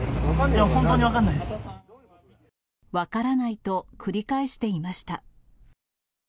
分かんない、分からないと繰り返していました。